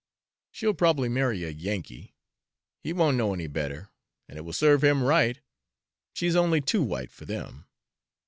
She'll probably marry a Yankee; he won't know any better, and it will serve him right she's only too white for them.